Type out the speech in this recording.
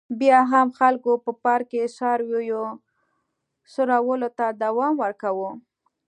بیا هم خلکو په پارک کې څارویو څرولو ته دوام ورکاوه.